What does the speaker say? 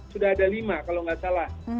sudah ada lima kalau nggak salah